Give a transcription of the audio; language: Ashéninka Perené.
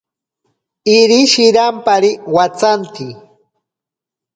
Iri shirampari watsanti.